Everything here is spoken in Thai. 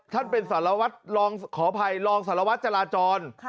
ท่านเป็นสารวัฒน์ขออภัยลองสารวัฒน์จราจร